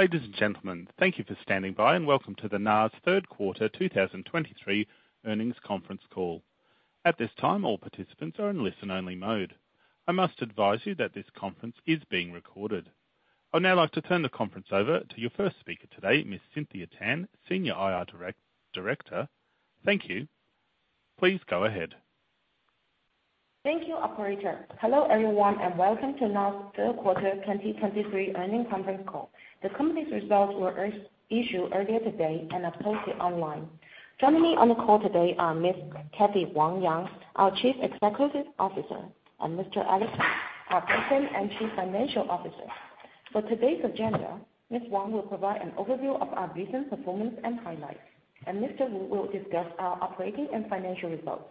Ladies and gentlemen, thank you for standing by, and welcome to the NaaS third quarter 2023 earnings conference call. At this time, all participants are in listen-only mode. I must advise you that this conference is being recorded. I'd now like to turn the conference over to your first speaker today, Miss Cynthia Tan, Senior IR Director. Thank you. Please go ahead. Thank you, operator. Hello, everyone, and welcome to NaaS third quarter 2023 earnings conference call. The company's results were issued earlier today and are posted online. Joining me on the call today are Miss Cathy Wang Yang, our Chief Executive Officer, and Mr. Alex Wu, our President and Chief Financial Officer. For today's agenda, Ms. Wang will provide an overview of our recent performance and highlights, and Mr. Wu will discuss our operating and financial results.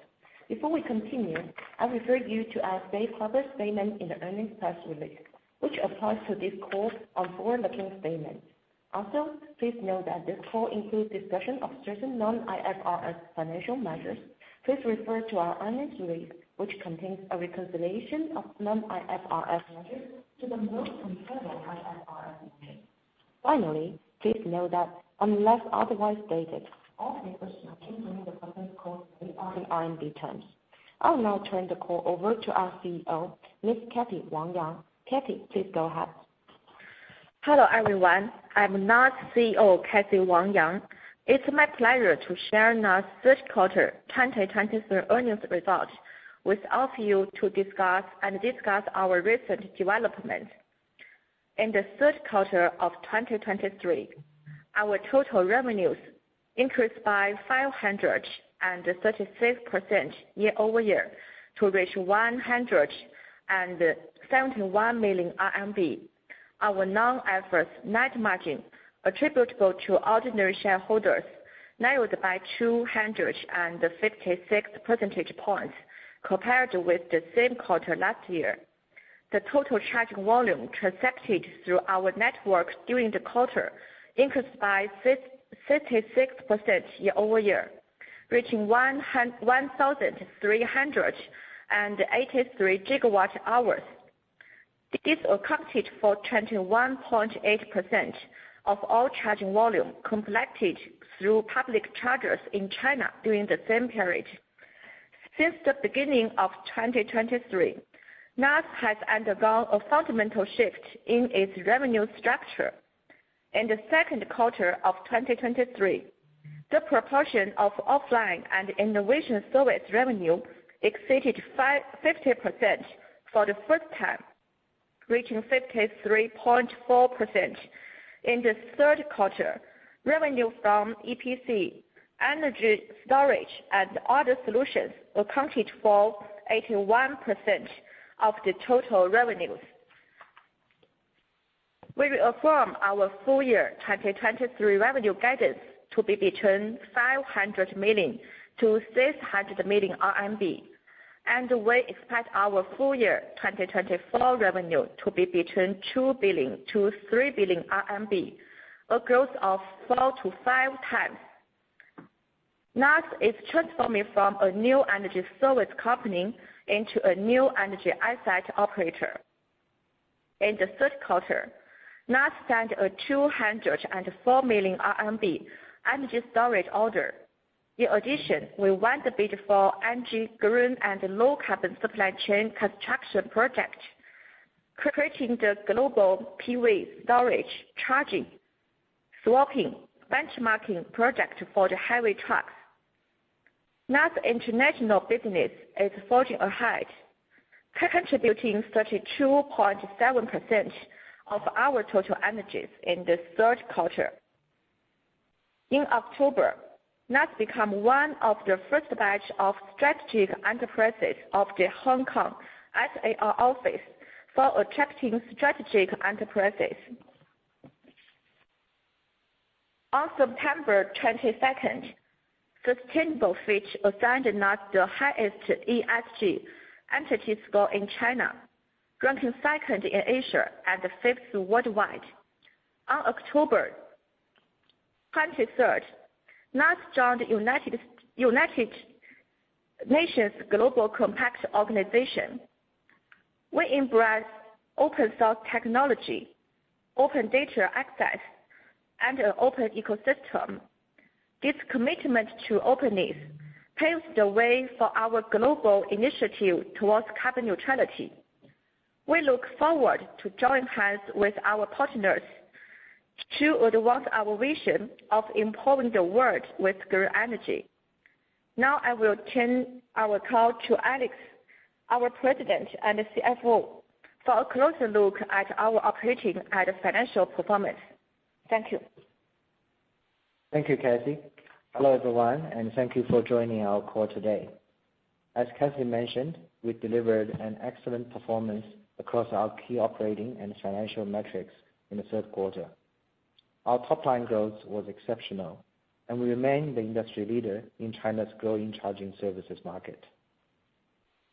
Before we continue, I refer you to our safe harbor statement in the earnings press release, which applies to this call on forward-looking statements. Also, please note that this call includes discussion of certain non-IFRS financial measures. Please refer to our earnings release, which contains a reconciliation of non-IFRS measures to the most comparable IFRS measure. Finally, please note that unless otherwise stated, all figures pertaining to the conference call are in RMB terms. I'll now turn the call over to our CEO, Miss Cathy Wang Yang. Cathy, please go ahead. Hello, everyone. I'm NaaS CEO, Cathy Wang Yang. It's my pleasure to share NaaS' third quarter 2023 earnings results with all of you to discuss and discuss our recent development. In the third quarter of 2023, our total revenues increased by 536% year-over-year to reach 171 million RMB. Our non-IFRS net margin attributable to ordinary shareholders narrowed by 256 percentage points compared with the same quarter last year. The total charging volume transacted through our network during the quarter increased by fifty-six percent year-over-year, reaching 1,383 GWh. This accounted for 21.8% of all charging volume completed through public chargers in China during the same period. Since the beginning of 2023, NaaS has undergone a fundamental shift in its revenue structure. In the second quarter of 2023, the proportion of offline and innovation service revenue exceeded 50% for the first time, reaching 53.4%. In the third quarter, revenue from EPC, energy storage, and other solutions accounted for 81% of the total revenues. We reaffirm our full year 2023 revenue guidance to be between 500 million-600 million RMB, and we expect our full year 2024 revenue to be between 2 billion-3 billion RMB, a growth of 4-5 times. NaaS is transforming from a new energy service company into a new energy asset operator. In the third quarter, NaaS signed a 204 million RMB energy storage order. In addition, we won the bid for Anji Green and Low-carbon Supply Chain Construction Project, creating the global PV-storage-charging-swapping benchmarking project for the highway trucks. NaaS's international business is forging ahead, contributing 32.7% of our total energies in the third quarter. In October, NaaS become one of the first batch of strategic enterprises of the Hong Kong SAR Office for Attracting Strategic Enterprises. On September 22, Sustainable Fitch assigned NaaS the highest ESG entity score in China, ranking second in Asia and fifth worldwide. On October 23, NaaS joined United Nations Global Compact organization. We embrace open source technology, open data access, and an open ecosystem. This commitment to openness paves the way for our global initiative towards carbon neutrality. We look forward to join hands with our partners to advance our vision of empowering the world with green energy. Now I will turn our call to Alex, our President and CFO, for a closer look at our operating and financial performance. Thank you. Thank you, Cathy. Hello, everyone, and thank you for joining our call today. As Cathy mentioned, we delivered an excellent performance across our key operating and financial metrics in the third quarter. Our top-line growth was exceptional, and we remain the industry leader in China's growing charging services market.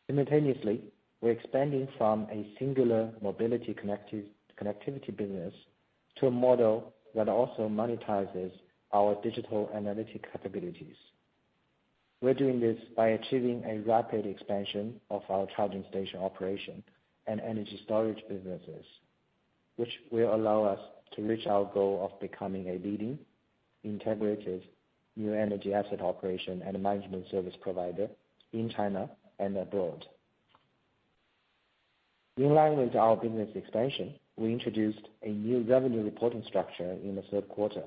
Simultaneously, we're expanding from a singular mobility connective, connectivity business to a model that also monetizes our digital analytic capabilities.... We're doing this by achieving a rapid expansion of our charging station operation and energy storage businesses, which will allow us to reach our goal of becoming a leading integrated new energy asset operation and management service provider in China and abroad. In line with our business expansion, we introduced a new revenue reporting structure in the third quarter.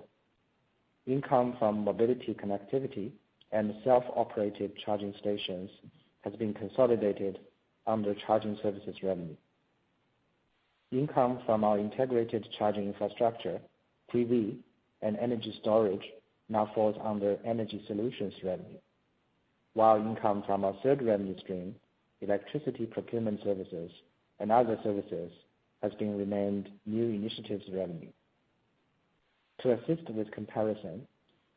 Income from mobility, connectivity, and self-operated charging stations has been consolidated under charging services revenue. Income from our integrated charging infrastructure, PV, and energy storage now falls under energy solutions revenue, while income from our third revenue stream, electricity procurement services and other services, has been renamed New Initiatives Revenue. To assist with comparison,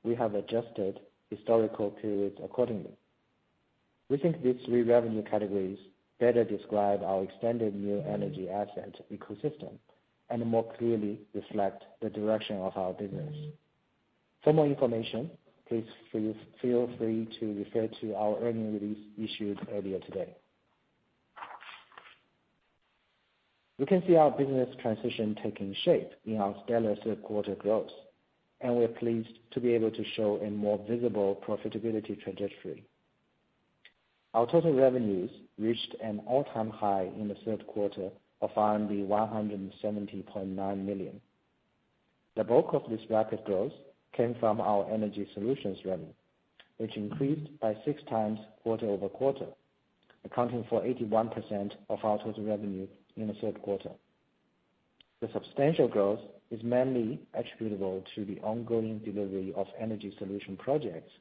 we have adjusted historical periods accordingly. We think these three revenue categories better describe our extended new energy asset ecosystem and more clearly reflect the direction of our business. For more information, please feel free to refer to our earnings release issued earlier today. You can see our business transition taking shape in our stellar third quarter growth, and we are pleased to be able to show a more visible profitability trajectory. Our total revenues reached an all-time high in the third quarter of RMB 170.9 million. The bulk of this rapid growth came from our energy solutions revenue, which increased 6x quarter-over-quarter, accounting for 81% of our total revenue in the third quarter. The substantial growth is mainly attributable to the ongoing delivery of energy solution projects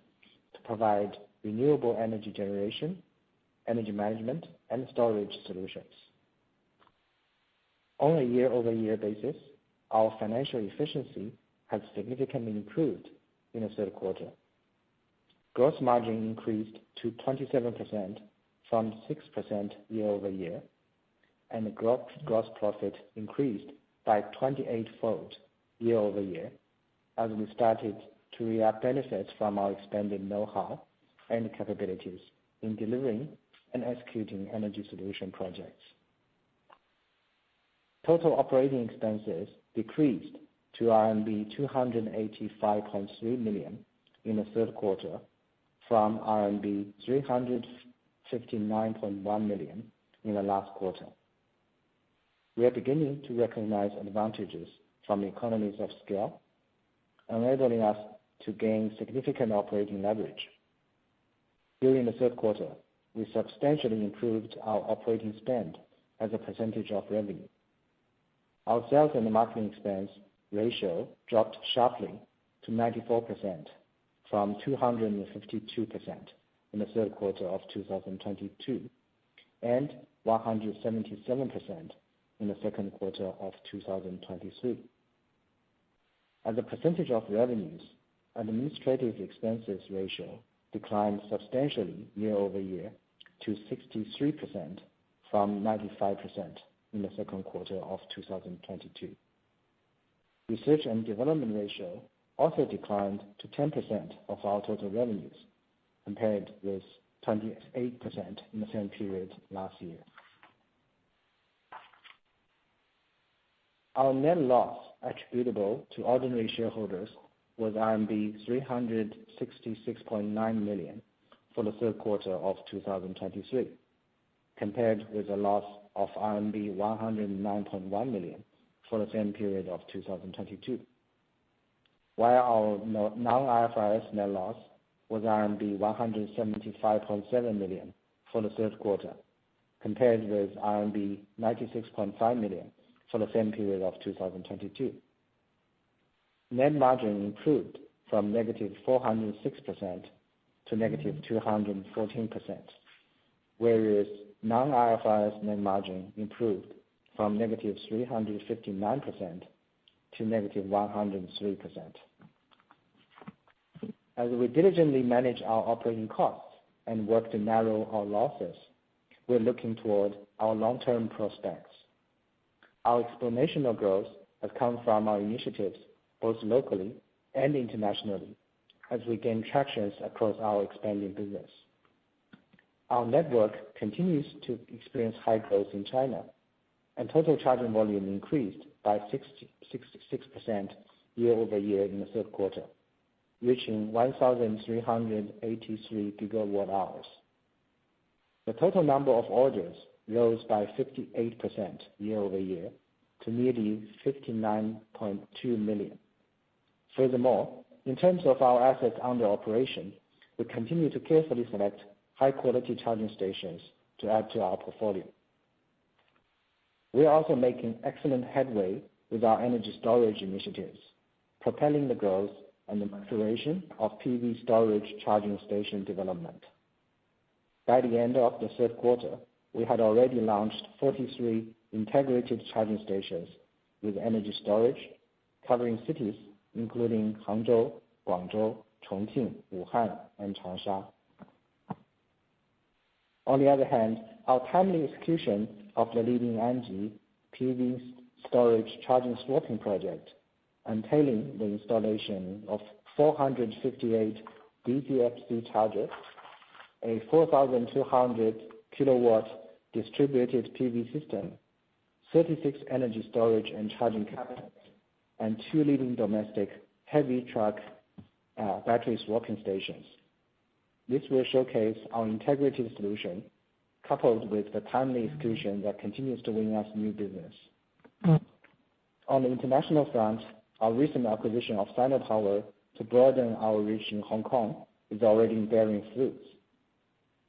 to provide renewable energy generation, energy management, and storage solutions. On a year-over-year basis, our financial efficiency has significantly improved in the third quarter. Gross margin increased to 27% from 6% year-over-year, and gross profit increased 28-fold year-over-year, as we started to reap benefits from our expanded know-how and capabilities in delivering and executing energy solution projects. Total operating expenses decreased to RMB 285.3 million in the third quarter from RMB 359.1 million in the last quarter. We are beginning to recognize advantages from economies of scale, enabling us to gain significant operating leverage. During the third quarter, we substantially improved our operating spend as a percentage of revenue. Our sales and marketing expense ratio dropped sharply to 94% from 252% in the third quarter of 2022, and 177% in the second quarter of 2023. As a percentage of revenues, administrative expenses ratio declined substantially year-over-year to 63% from 95% in the second quarter of 2022. Research and development ratio also declined to 10% of our total revenues, compared with 28% in the same period last year. Our net loss attributable to ordinary shareholders was RMB 366.9 million for the third quarter of 2023, compared with a loss of RMB 109.1 million for the same period of 2022. While our non-IFRS net loss was RMB 175.7 million for the third quarter, compared with RMB 96.5 million for the same period of 2022. Net margin improved from -406% to -214%, whereas non-IFRS net margin improved from -359% to -103%. As we diligently manage our operating costs and work to narrow our losses, we're looking toward our long-term prospects. Our exponential growth has come from our initiatives, both locally and internationally, as we gain tractions across our expanding business. Our network continues to experience high growth in China, and total charging volume increased by 66% year-over-year in the third quarter, reaching 1,383 GWh. The total number of orders rose by 58% year-over-year to nearly 59.2 million. Furthermore, in terms of our assets under operation, we continue to carefully select high-quality charging stations to add to our portfolio. We are also making excellent headway with our energy storage initiatives, propelling the growth and the maturation of PV storage charging station development. By the end of the third quarter, we had already launched 43 integrated charging stations with energy storage, covering cities including Hangzhou, Guangzhou, Chongqing, Wuhan, and Changsha.... On the other hand, our timely execution of the leading energy PV storage charging swapping project, entailing the installation of 458 DCFC chargers, a 4,200 kW distributed PV system, 36 energy storage and charging cabinets, and two leading domestic heavy truck batteries swapping stations. This will showcase our integrated solution, coupled with the timely execution that continues to win us new business. On the international front, our recent acquisition of Sinopower to broaden our reach in Hong Kong is already bearing fruits.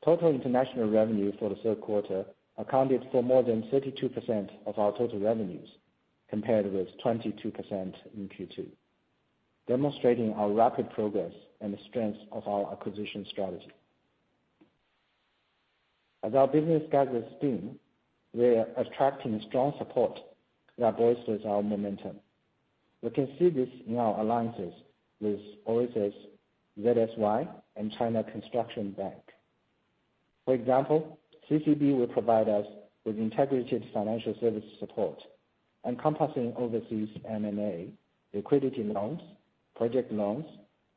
Total international revenue for the third quarter accounted for more than 32% of our total revenues, compared with 22% in Q2, demonstrating our rapid progress and the strength of our acquisition strategy. As our business gathers steam, we are attracting strong support that bolsters our momentum. We can see this in our alliances with OASES, ZSY, and China Construction Bank. For example, CCB will provide us with integrated financial service support, encompassing overseas M&A, liquidity loans, project loans,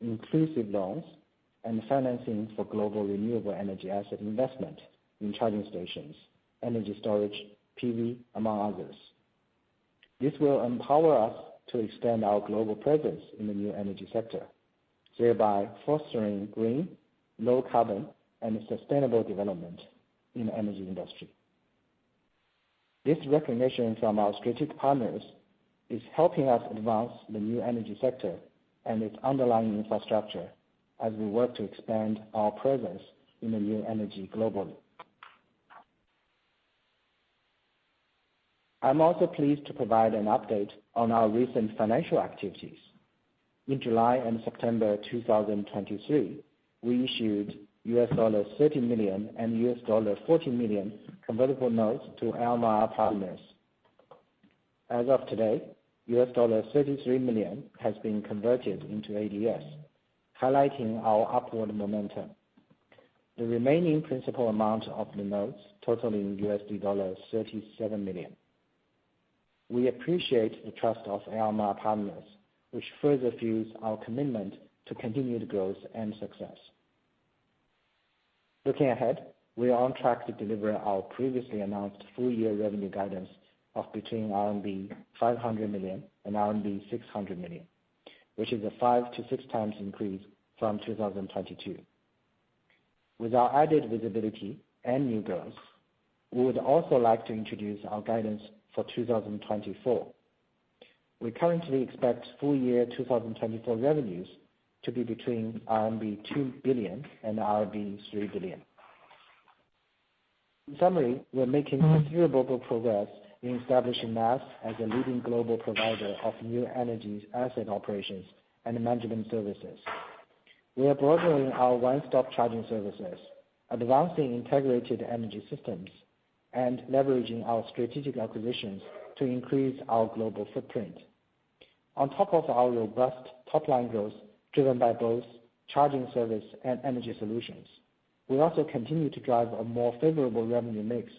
inclusive loans, and financing for global renewable energy asset investment in charging stations, energy storage, PV, among others. This will empower us to extend our global presence in the new energy sector, thereby fostering green, low carbon, and sustainable development in the energy industry. This recognition from our strategic partners is helping us advance the new energy sector and its underlying infrastructure as we work to expand our presence in the new energy globally. I'm also pleased to provide an update on our recent financial activities. In July and September 2023, we issued $30 million and $40 million convertible notes to Elmar Partners. As of today, $33 million has been converted into ADS, highlighting our upward momentum. The remaining principal amount of the notes totaling $37 million. We appreciate the trust of Elmar Partners, which further fuels our commitment to continued growth and success. Looking ahead, we are on track to deliver our previously announced full-year revenue guidance of between RMB 500 million and RMB 600 million, which is a 5-6 times increase from 2022. With our added visibility and new growth, we would also like to introduce our guidance for 2024. We currently expect full-year 2024 revenues to be between RMB 2 billion and RMB 3 billion. In summary, we are making considerable progress in establishing us as a leading global provider of new energy asset operations and management services. We are broadening our one-stop charging services, advancing integrated energy systems, and leveraging our strategic acquisitions to increase our global footprint. On top of our robust top-line growth, driven by both charging service and energy solutions, we also continue to drive a more favorable revenue mix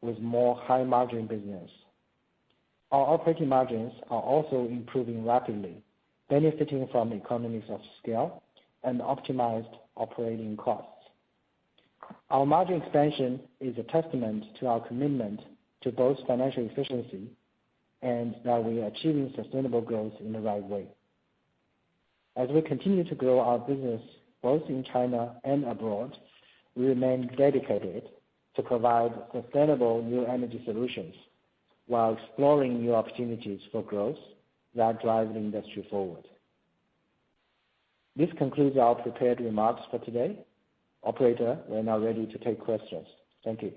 with more high-margin business. Our operating margins are also improving rapidly, benefiting from economies of scale and optimized operating costs. Our margin expansion is a testament to our commitment to both financial efficiency and that we are achieving sustainable growth in the right way. As we continue to grow our business, both in China and abroad, we remain dedicated to provide sustainable new energy solutions while exploring new opportunities for growth that drive the industry forward. This concludes our prepared remarks for today. Operator, we are now ready to take questions. Thank you.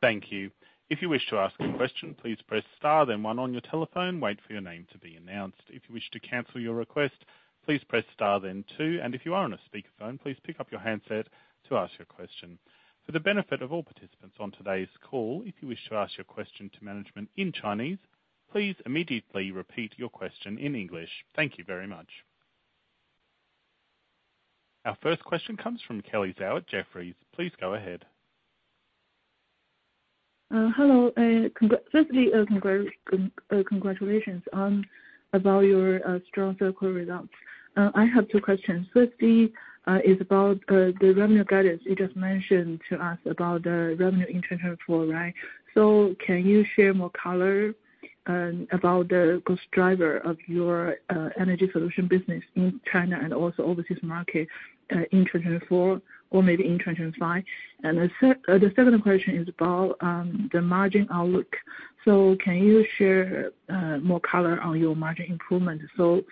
Thank you. If you wish to ask a question, please press star, then one on your telephone. Wait for your name to be announced. If you wish to cancel your request, please press star, then two. If you are on a speakerphone, please pick up your handset to ask your question. For the benefit of all participants on today's call, if you wish to ask your question to management in Chinese, please immediately repeat your question in English. Thank you very much. Our first question comes from Kelly Zou at Jefferies. Please go ahead. Hello, congratulations on your strong Q4 results. I have two questions. First, it's about the revenue guidance. You just mentioned to us about the revenue in 2024, right? So can you share more color about the growth driver of your energy solution business in China and also overseas market in 2024, or maybe in 2025? And the second question is about the margin outlook. So can you share more color on your margin improvement? So,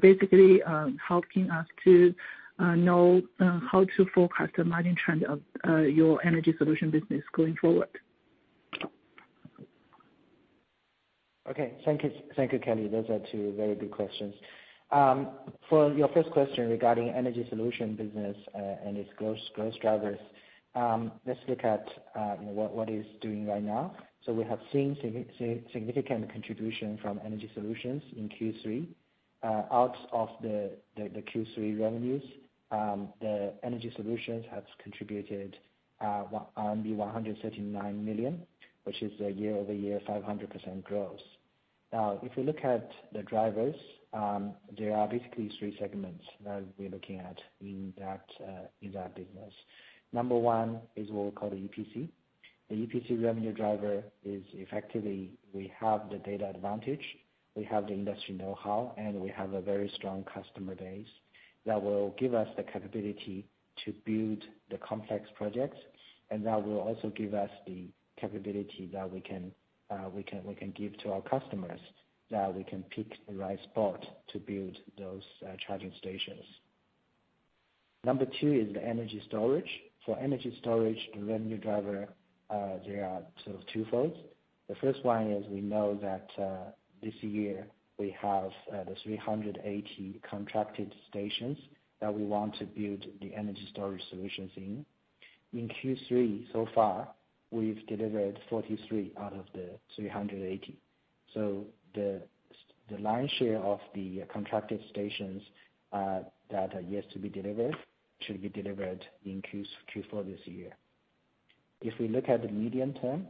basically, helping us to know how to forecast the margin trend of your energy solution business going forward. Okay. Thank you. Thank you, Kelly. Those are two very good questions. For your first question regarding energy solution business and its growth drivers, let's look at what it's doing right now. So we have seen significant contribution from energy solutions in Q3. Out of the Q3 revenues, the energy solutions has contributed 139 million, which is a year-over-year 500% growth. Now, if you look at the drivers, there are basically three segments that we're looking at in that business. Number one is what we call the EPC. The EPC revenue driver is effectively, we have the data advantage, we have the industry know-how, and we have a very strong customer base that will give us the capability to build the complex projects, and that will also give us the capability that we can give to our customers, that we can pick the right spot to build those charging stations. Number two is the energy storage. For energy storage, the revenue driver, there are twofold. The first one is we know that, this year, we have the 380 contracted stations that we want to build the energy storage solutions in. In Q3, so far, we've delivered 43 out of the 380. So the lion's share of the contracted stations that are yet to be delivered should be delivered in Q4 this year. If we look at the medium term,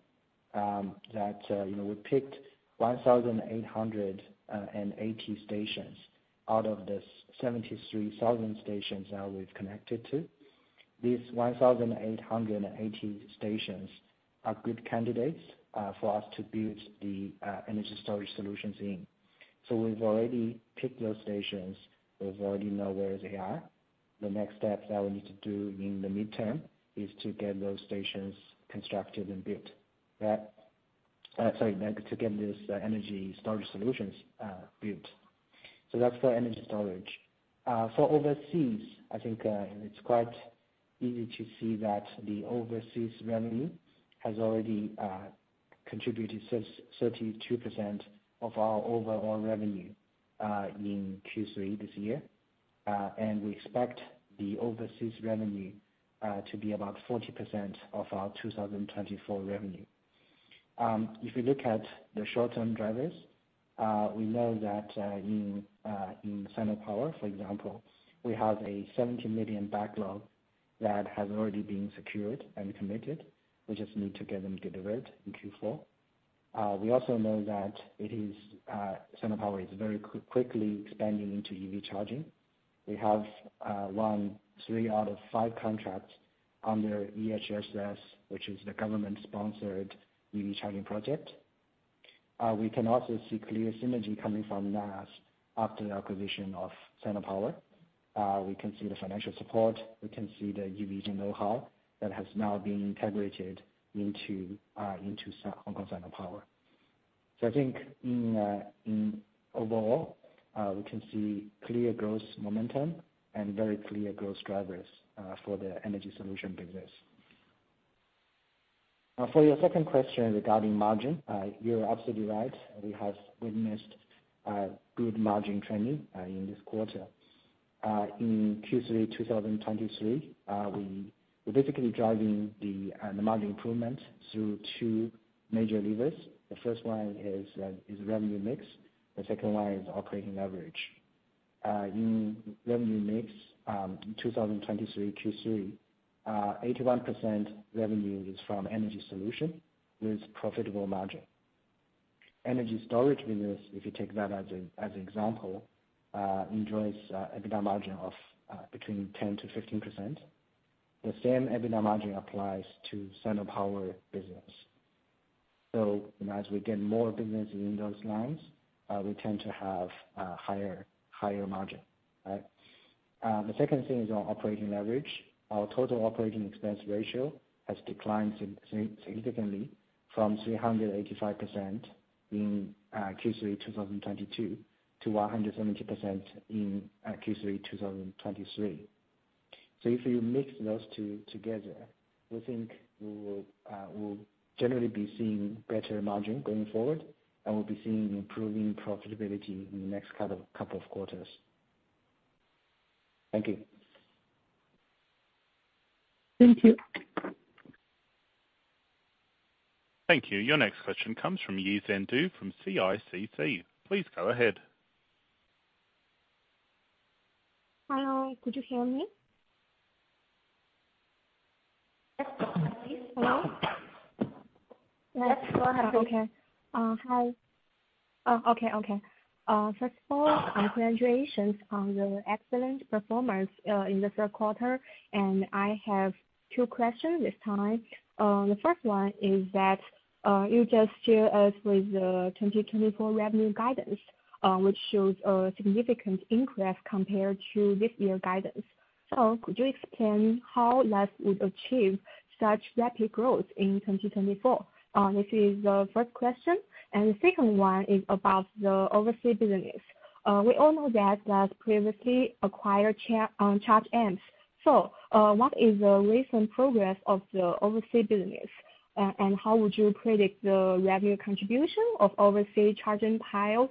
you know, we picked 1,880 stations out of the 73,000 stations that we've connected to. These 1,880 stations are good candidates for us to build the energy storage solutions in. So we've already picked those stations. We already know where they are. The next step that we need to do in the midterm is to get those stations constructed and built. That, then to get this energy storage solutions built. So that's for energy storage. For overseas, I think it's quite easy to see that the overseas revenue has already contributed 32% of our overall revenue in Q3 this year. We expect the overseas revenue to be about 40% of our 2024 revenue. If you look at the short-term drivers, we know that in Sinopower, for example, we have a 70 million backlog that has already been secured and committed. We just need to get them delivered in Q4. We also know that it is Sinopower is very quickly expanding into EV charging. We have won 3 out of 5 contracts under EHSS, which is the government-sponsored EV charging project. We can also see clear synergy coming from that after the acquisition of Sinopower. We can see the financial support, we can see the EV know-how that has now been integrated into Sinopower Hong Kong. So I think in overall, we can see clear growth momentum and very clear growth drivers for the energy solution business. For your second question regarding margin, you're absolutely right. We have witnessed good margin trending in this quarter. In Q3 2023, we're basically driving the margin improvement through two major levers. The first one is revenue mix, the second one is operating leverage. In revenue mix, in 2023 Q3, 81% revenue is from energy solution with profitable margin. Energy storage business, if you take that as an example, enjoys EBITDA margin of between 10%-15%. The same EBITDA margin applies to Sinopower business. So as we get more business in those lines, we tend to have higher margin, right? The second thing is our operating leverage. Our total operating expense ratio has declined significantly from 385% in Q3 2022 to 170% in Q3 2023. So if you mix those two together, we think we will generally be seeing better margin going forward, and we'll be seeing improving profitability in the next couple of quarters. Thank you. Thank you. Thank you. Your next question comes from Yizhen Du from CICC. Please go ahead. Hello, could you hear me? Yes. Hello? Let's go ahead. Okay. Hi. Okay, okay. First of all, congratulations on your excellent performance in the third quarter, and I have two questions this time. The first one is that you just share us with the 2024 revenue guidance, which shows a significant increase compared to this year guidance. So could you explain how NaaS would achieve such rapid growth in 2024? This is the first question, and the second one is about the overseas business. We all know that previously acquired Charge Amps. So, what is the recent progress of the overseas business? And how would you predict the revenue contribution of overseas charging pile,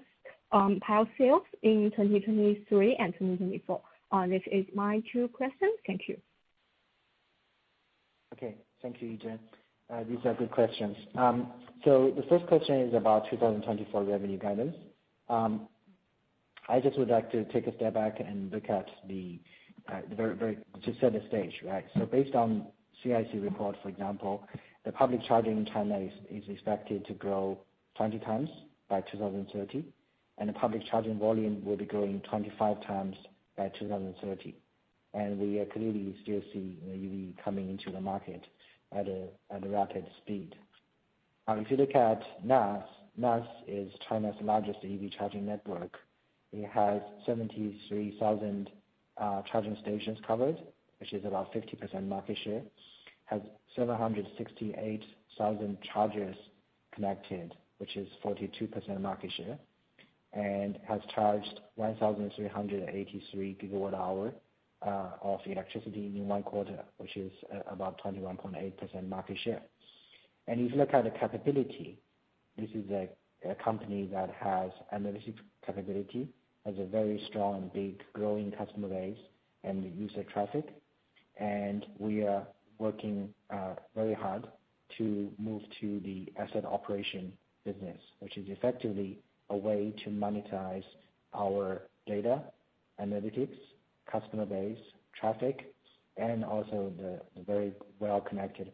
pile sales in 2023 and 2024? This is my two questions. Thank you.... Okay, thank you, Yizhen. These are good questions. So the first question is about 2024 revenue guidance. I just would like to take a step back and look at the, the very, very, to set the stage, right? So based on CICC report, for example, the public charging in China is expected to grow 20 times by 2030, and the public charging volume will be growing 25 times by 2030. And we are clearly still seeing the EV coming into the market at a rapid speed. And if you look at NaaS, NaaS is China's largest EV charging network. It has 73,000 charging stations covered, which is about 50% market share, has 768,000 chargers connected, which is 42% market share, and has charged 1,383 GWh of electricity in one quarter, which is about 21.8% market share. And if you look at the capability, this is a company that has analytics capability, has a very strong, big, growing customer base and user traffic. And we are working very hard to move to the asset operation business, which is effectively a way to monetize our data, analytics, customer base, traffic, and also the very well-connected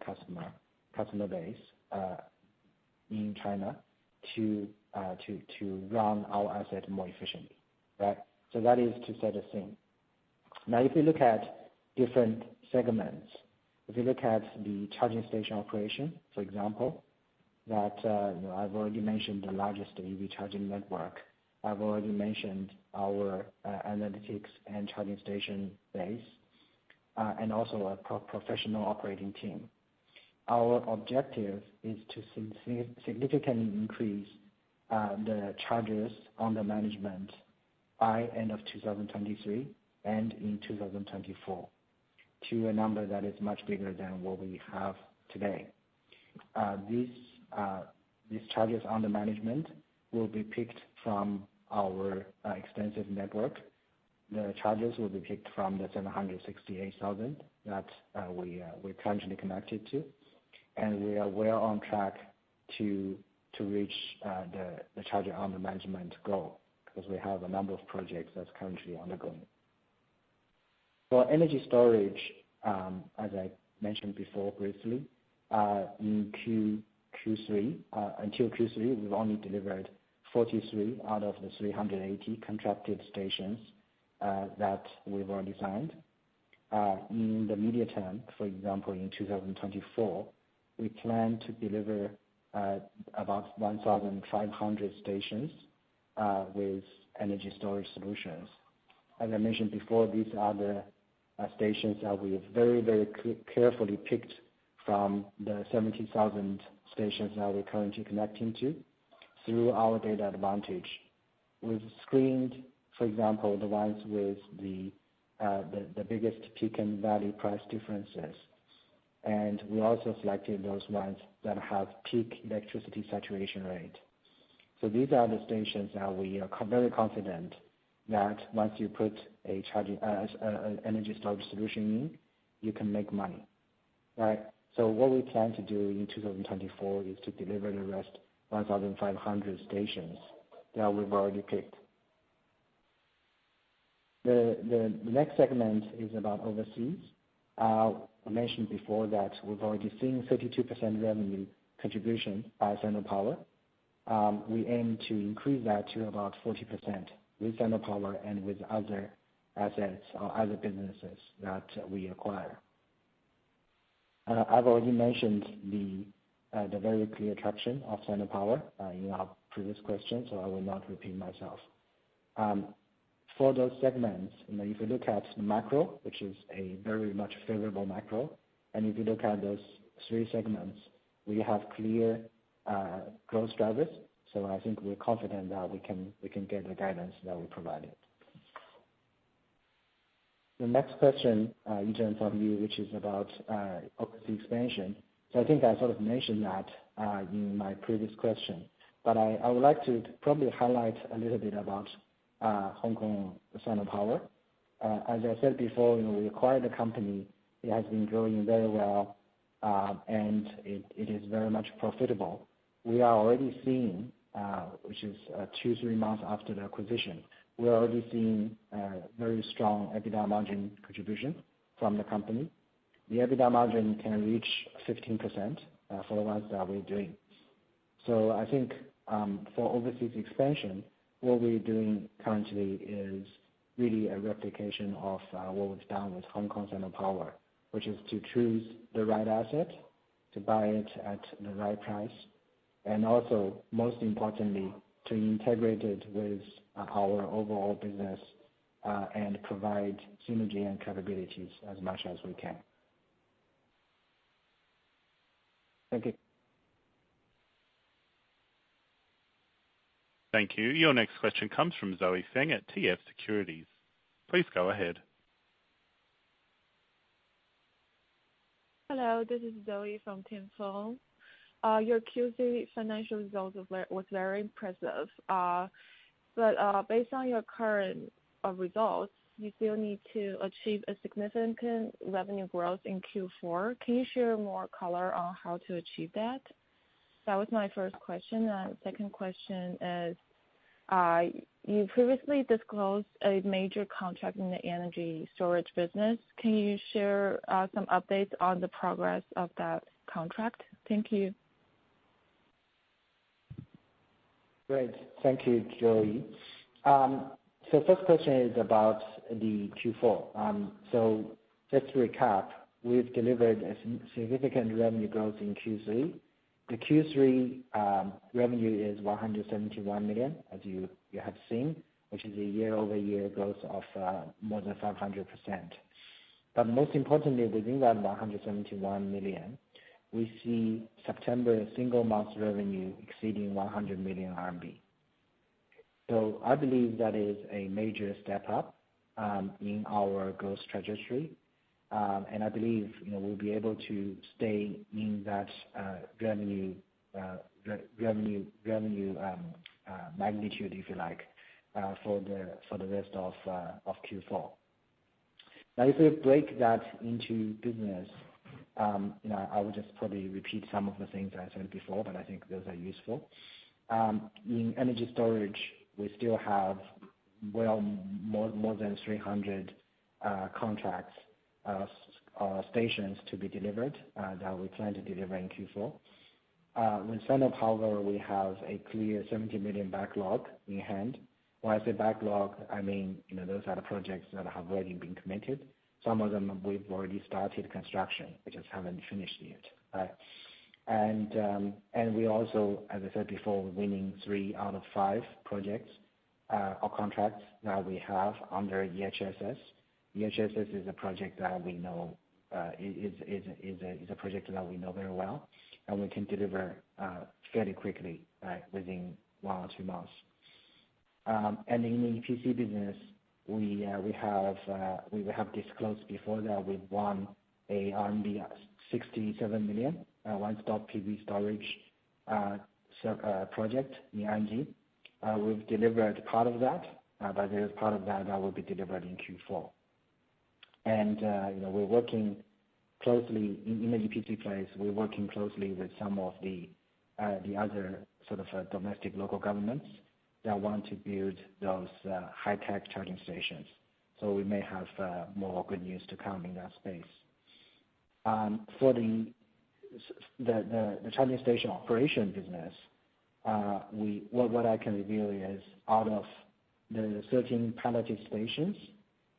customer base in China to run our asset more efficiently, right? So that is to set the scene. Now, if you look at different segments, if you look at the charging station operation, for example, that, you know, I've already mentioned the largest EV charging network. I've already mentioned our, analytics and charging station base, and also a professional operating team. Our objective is to significantly increase, the chargers under management by end of 2023 and in 2024, to a number that is much bigger than what we have today. These, these chargers under management will be picked from our, extensive network. The chargers will be picked from the 768,000 that, we, we're currently connected to, and we are well on track to reach, the chargers under management goal, because we have a number of projects that's currently ongoing. For energy storage, as I mentioned before, briefly, in Q3, until Q3, we've only delivered 43 out of the 380 contracted stations that we've already signed. In the medium term, for example, in 2024, we plan to deliver about 1,500 stations with energy storage solutions. As I mentioned before, these are the stations that we've very, very carefully picked from the 70,000 stations that we're currently connecting to through our data advantage. We've screened, for example, the ones with the biggest peak and value price differences, and we also selected those ones that have peak electricity saturation rate. So these are the stations that we are very confident that once you put a charging an energy storage solution in, you can make money, right? So what we plan to do in 2024 is to deliver the rest, 1,500 stations that we've already picked. The next segment is about overseas. I mentioned before that we've already seen 52% revenue contribution by Sinopower. We aim to increase that to about 40% with Sinopower and with other assets or other businesses that we acquire. I've already mentioned the very clear attraction of Sinopower in our previous question, so I will not repeat myself. For those segments, you know, if you look at the macro, which is a very much favorable macro, and if you look at those three segments, we have clear growth drivers. So I think we're confident that we can get the guidance that we provided. The next question, Yizhen, from you, which is about, overseas expansion. So I think I sort of mentioned that, in my previous question, but I, I would like to probably highlight a little bit about, Hong Kong Sinopower. As I said before, you know, we acquired the company, it has been growing very well, and it, it is very much profitable. We are already seeing, which is, 2-3 months after the acquisition, we're already seeing, very strong EBITDA margin contribution from the company. The EBITDA margin can reach 15%, for the ones that we're doing. So I think, for overseas expansion, what we're doing currently is really a replication of what was done with Hong Kong Sinopower, which is to choose the right asset, to buy it at the right price, and also, most importantly, to integrate it with our overall business, and provide synergy and capabilities as much as we can. Thank you. Thank you. Your next question comes from Zoe Feng at TF Securities. Please go ahead. Hello, this is Zoe Feng. Your Q3 financial results was very impressive. But based on your current results, you still need to achieve a significant revenue growth in Q4. Can you share more color on how to achieve that? That was my first question. Second question is, you previously disclosed a major contract in the energy storage business. Can you share some updates on the progress of that contract? Thank you. Great. Thank you, Zoe. So first question is about the Q4. So just to recap, we've delivered a significant revenue growth in Q3. The Q3 revenue is 171 million, as you have seen, which is a year-over-year growth of more than 500%. But most importantly, within that 171 million, we see September single month's revenue exceeding 100 million RMB. So I believe that is a major step up in our growth trajectory. And I believe, you know, we'll be able to stay in that revenue magnitude, if you like, for the rest of Q4. Now, if we break that into business, you know, I would just probably repeat some of the things I said before, but I think those are useful. In energy storage, we still have well, more than 300 contracts, stations to be delivered, that we plan to deliver in Q4. With Sinopower, we have a clear 70 million backlog in hand. When I say backlog, I mean, you know, those are the projects that have already been committed. Some of them we've already started construction, we just haven't finished yet, right? And we also, as I said before, winning 3 out of 5 projects, or contracts that we have under EHSS. EHSS is a project that we know very well, and we can deliver fairly quickly, right? Within one or two months. In the EPC business, we have disclosed before that we've won a RMB 67 million one-stop PV storage project in Anji. We've delivered part of that, but there's part of that that will be delivered in Q4. You know, we're working closely in the EPC space with some of the other sort of domestic local governments that want to build those high-tech charging stations. So we may have more good news to come in that space. For the charging station operation business, what I can reveal is out of the 13 piloted stations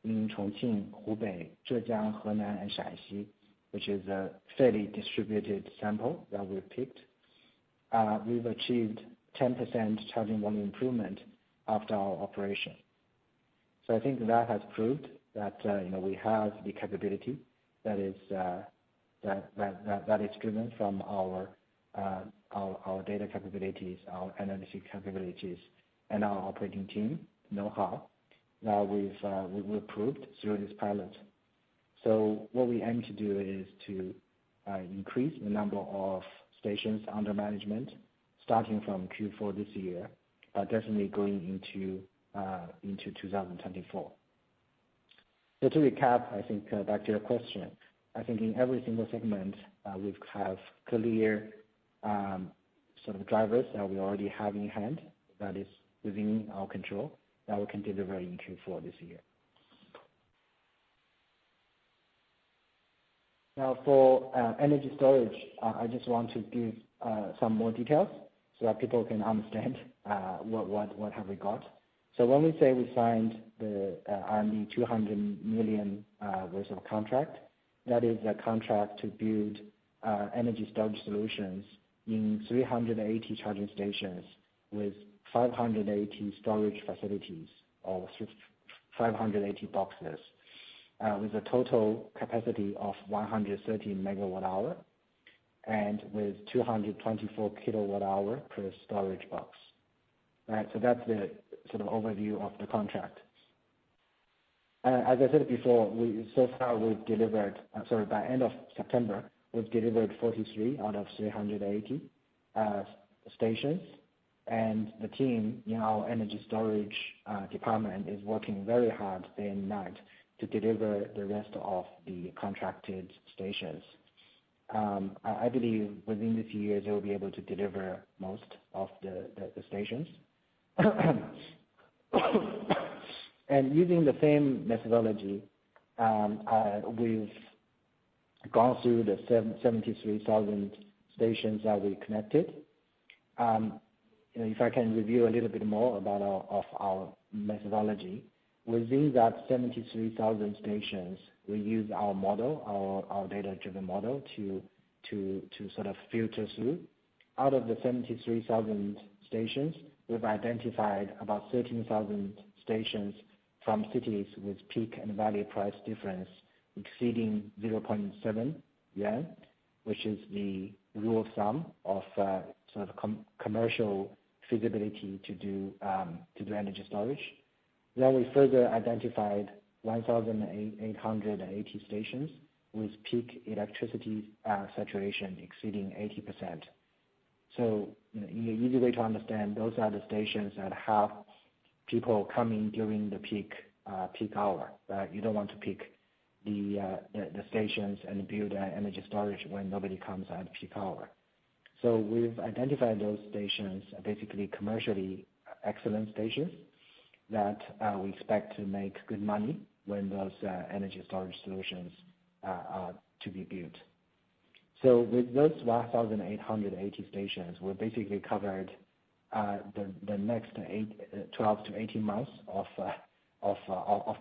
in Chongqing, Hubei, Zhejiang, Henan, and Shaanxi, which is a fairly distributed sample that we picked, we've achieved 10% charging volume improvement after our operation. So I think that has proved that, you know, we have the capability that is driven from our data capabilities, our energy capabilities, and our operating team know-how, that we've improved through this pilot. So what we aim to do is to increase the number of stations under management, starting from Q4 this year, but definitely going into 2024. So to recap, I think, back to your question, I think in every single segment, we've have clear, sort of drivers that we already have in hand, that is within our control, that we can deliver in Q4 this year. Now, for energy storage, I just want to give some more details so that people can understand what have we got. So when we say we signed the RMB 200 million worth of contract, that is a contract to build energy storage solutions in 380 charging stations with 580 storage facilities or 580 boxes, with a total capacity of 130 MWh and with 224 kWh per storage box. Right, so that's the sort of overview of the contract. As I said before, so far we've delivered, sorry, by end of September, we've delivered 43 out of 380 stations, and the team in our energy storage department is working very hard day and night to deliver the rest of the contracted stations. I believe within this year, they will be able to deliver most of the stations. And using the same methodology, we've gone through the 73,000 stations that we connected. You know, if I can review a little bit more about our methodology. Within that 73,000 stations, we use our model, our data-driven model, to sort of filter through. Out of the 73,000 stations, we've identified about 13,000 stations from cities with peak and value price difference exceeding 0.7 CNY, which is the rule of thumb of, sort of commercial feasibility to do energy storage. Then we further identified 1,880 stations with peak electricity saturation exceeding 80%. So, you know, the easy way to understand, those are the stations that have people coming during the peak hour, right? You don't want to pick the stations and build energy storage when nobody comes at peak hour. So we've identified those stations, basically commercially excellent stations, that we expect to make good money when those energy storage solutions are to be built. So with those 1,800 stations, we're basically covered the next 12-18 months of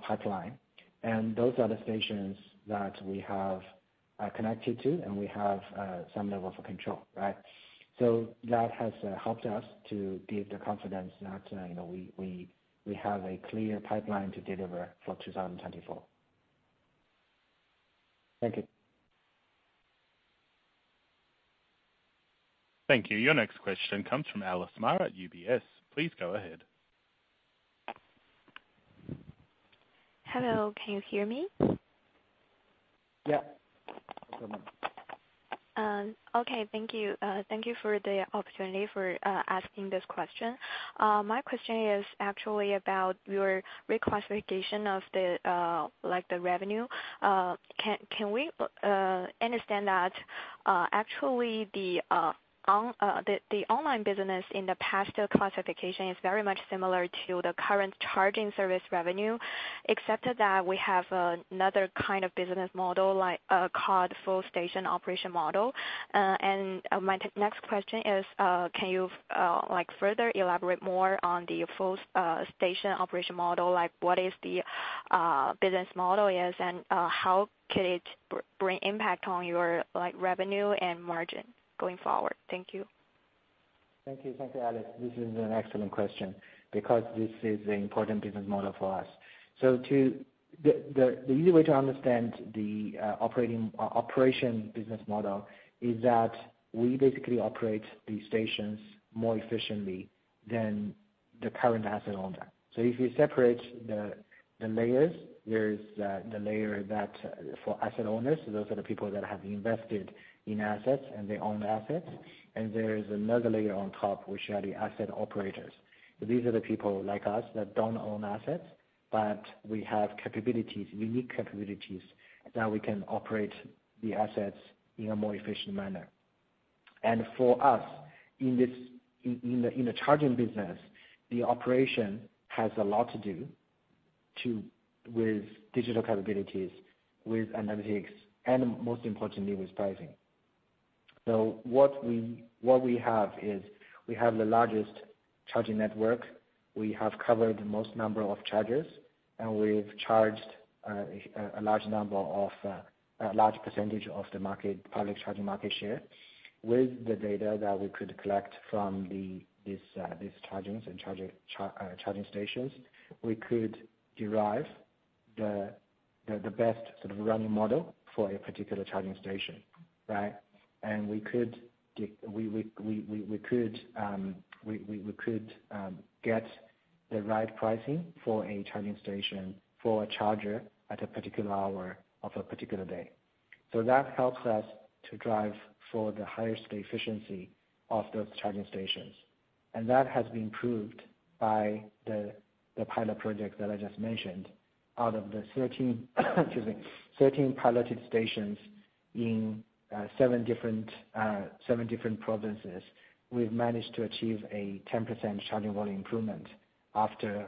pipeline. And those are the stations that we have connected to, and we have some level of control, right? So that has helped us to give the confidence that, you know, we have a clear pipeline to deliver for 2024. Thank you. Thank you. Your next question comes from Alice Ma at UBS. Please go ahead. Hello, can you hear me? Yeah. Okay. Thank you. Thank you for the opportunity for asking this question. My question is actually about your reclassification of the, like, the revenue. Can we understand that, actually the online business in the past classification is very much similar to the current charging service revenue, except that we have another kind of business model, like, called full station operation model. And my next question is, can you like further elaborate more on the full station operation model? Like, what is the business model is, and how could it bring impact on your, like, revenue and margin going forward? Thank you. Thank you. Thank you, Alice. This is an excellent question because this is an important business model for us. The easy way to understand the operation business model is that we basically operate the stations more efficiently than the current asset owner. So if you separate the layers, there's the layer that for asset owners, those are the people that have invested in assets, and they own assets. And there is another layer on top, which are the asset operators. These are the people, like us, that don't own assets, but we have capabilities, unique capabilities, that we can operate the assets in a more efficient manner. And for us, in the charging business, the operation has a lot to do with digital capabilities, with analytics, and most importantly, with pricing. So what we have is, we have the largest charging network. We have covered the most number of chargers, and we've charged a large percentage of the market, public charging market share. With the data that we could collect from these charging stations, we could derive the best sort of running model for a particular charging station, right? And we could get the right pricing for a charging station, for a charger at a particular hour of a particular day. So that helps us to drive for the highest efficiency of those charging stations. And that has been proved by the pilot project that I just mentioned. Out of the 13, excuse me, 13 piloted stations in seven different provinces, we've managed to achieve a 10% charging volume improvement after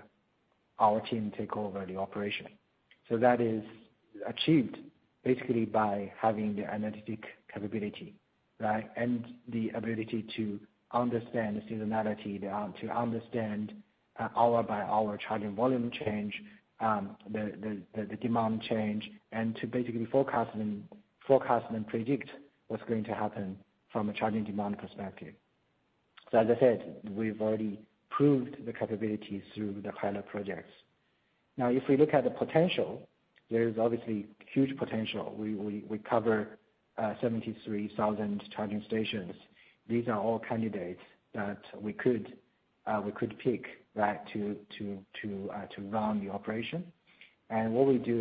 our team take over the operation. So that is achieved basically by having the analytic capability, right? And the ability to understand the seasonality, to understand hour-by-hour charging volume change, the demand change, and to basically forecast and predict what's going to happen from a charging demand perspective. So as I said, we've already proved the capabilities through the pilot projects. Now, if we look at the potential, there is obviously huge potential. We cover 73,000 charging stations. These are all candidates that we could pick, right, to run the operation. What we do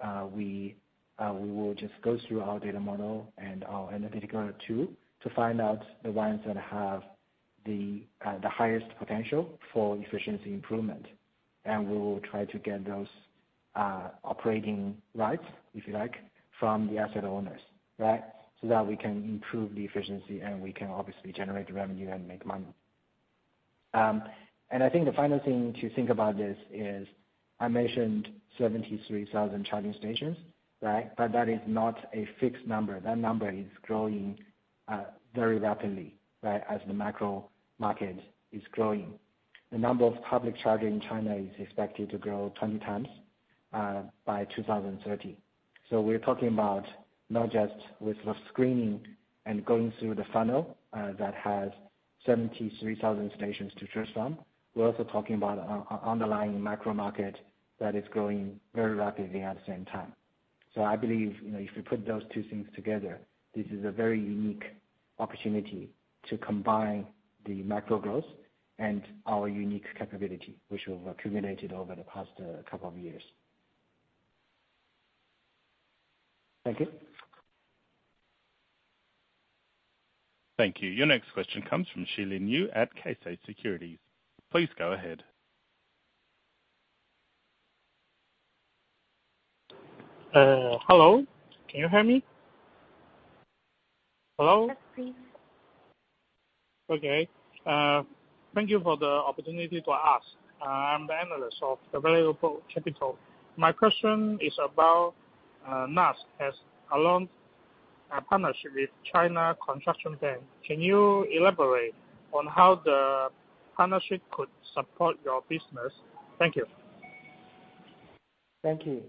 is, we will just go through our data model and our analytical tool to find out the ones that have the highest potential for efficiency improvement. And we will try to get those operating rights, if you like, from the asset owners, right? So that we can improve the efficiency, and we can obviously generate revenue and make money. And I think the final thing to think about this is, I mentioned 73,000 charging stations, right? But that is not a fixed number. That number is growing very rapidly, right, as the macro market is growing. The number of public charging in China is expected to grow 20 times by 2030. So we're talking about not just with the screening and going through the funnel that has 73,000 stations to choose from. We're also talking about an underlying micro market that is growing very rapidly at the same time. So I believe, you know, if you put those two things together, this is a very unique opportunity to combine the macro growth and our unique capability, which we've accumulated over the past couple of years. Thank you. Thank you. Your next question comes from Xilin Yu at KS Securities. Please go ahead. Hello, can you hear me? Hello? Yes, please. Okay. Thank you for the opportunity to ask. I'm the analyst of the Valuable Capital. My question is about NaaS, as along a partnership with China Construction Bank. Can you elaborate on how the partnership could support your business? Thank you. Thank you.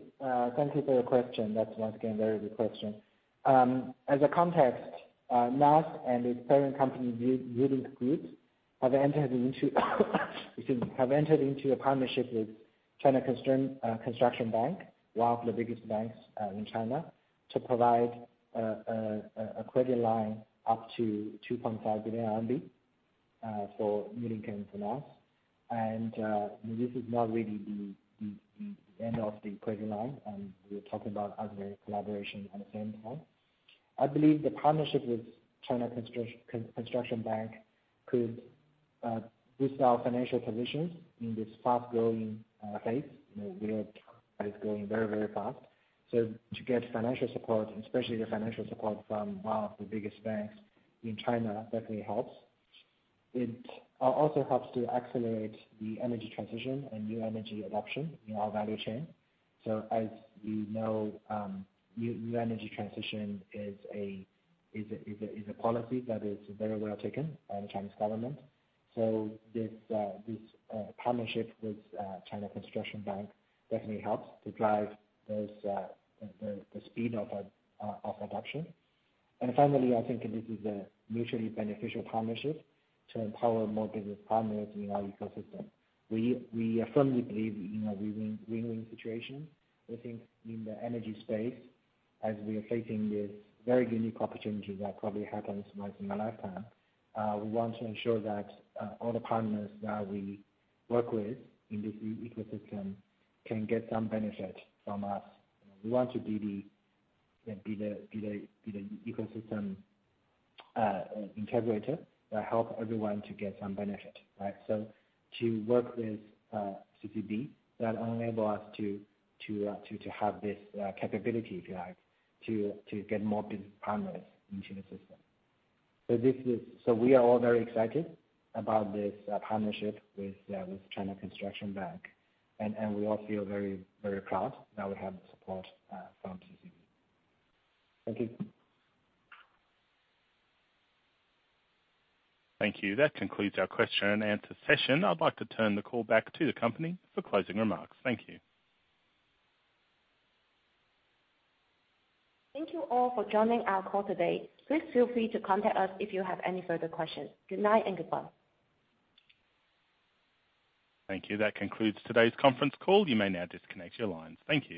Thank you for your question. That's once again, a very good question. As a context, NaaS and its parent company, NewLink Group, have entered into, excuse me, have entered into a partnership with China Construction Bank, one of the biggest banks, in China, to provide, a credit line up to 2.5 billion RMB, so NewLink and NaaS. And, this is not really the end of the credit line, and we're talking about other collaboration at the same time. I believe the partnership with China Construction Bank could boost our financial positions in this fast-growing phase. You know, we are growing very, very fast. So to get financial support, especially the financial support from one of the biggest banks in China, definitely helps. It also helps to accelerate the energy transition and new energy adoption in our value chain. So as you know, new energy transition is a policy that is very well taken by the Chinese government. So this partnership with China Construction Bank definitely helps to drive the speed of adoption. And finally, I think this is a mutually beneficial partnership to empower more business partners in our ecosystem. We firmly believe in a win-win, win-win situation. We think in the energy space, as we are facing this very unique opportunity that probably happens once in a lifetime, we want to ensure that all the partners that we work with in this new ecosystem can get some benefit from us. We want to be the ecosystem integrator that help everyone to get some benefit, right? So to work with CCB, that enable us to have this capability, if you like, to get more business partners into the system. So this is... So we are all very excited about this partnership with China Construction Bank, and we all feel very, very proud that we have the support from CCB. Thank you. Thank you. That concludes our question and answer session. I'd like to turn the call back to the company for closing remarks. Thank you. Thank you all for joining our call today. Please feel free to contact us if you have any further questions. Good night and goodbye. Thank you. That concludes today's conference call. You may now disconnect your lines. Thank you.